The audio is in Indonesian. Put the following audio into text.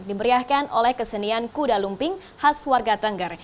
diberiahkan oleh kesenian kuda lumping khas warga tengger